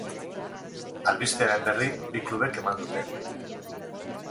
Albistearen berri bi klubek eman dute.